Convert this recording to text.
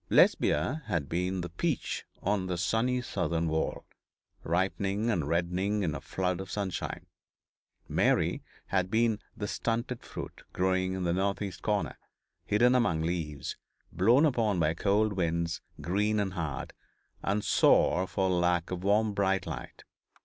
Lesbia had been the peach on the sunny southern wall, ripening and reddening in a flood of sunshine; Mary had been the stunted fruit growing in a north east corner, hidden among leaves, blown upon by cold winds green and hard and sour for lack of the warm bright light.